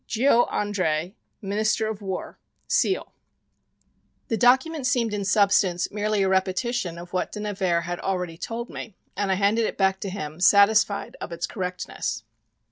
GEO. ANDRÉ, Minister of War. [Seal] The document seemed in substance merely a repetition of what De Nevers had already told me, and I handed it back to him satisfied of its correctness.